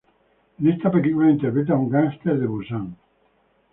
En esta película, interpreta a un gánster de Busan.